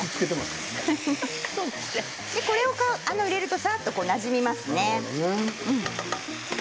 これを入れると、なじみますね。